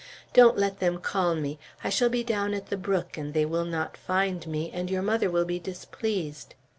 Don't let them call me; I shall be down at the brook, and they will not find me, and your mother will be displeased."